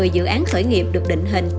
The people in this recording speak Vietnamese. một mươi dự án khởi nghiệp được định hình